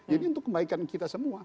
jadi untuk kebaikan kita semua